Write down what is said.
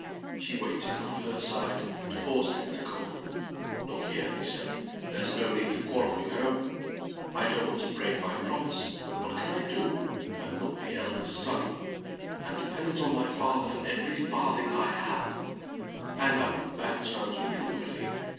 She waited, on her side, and forced him to go on. "Look here," he said, "there's no need to quarrel, you know. I don't want to break my promise; but what can I do? I'm not the eldest son. I'm dependent on my father for every farthing I have; and I'm on bad terms with him already.